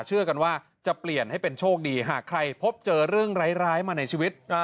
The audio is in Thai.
เชื่อกันว่าจะเปลี่ยนให้เป็นโชคดีหากใครพบเจอเรื่องร้ายมาในชีวิต